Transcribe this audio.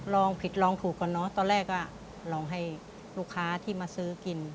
ลองผิดลองถูกก่อนเนอะตอนแรกก็ลองให้ลูกค้าที่มาซื้อกิน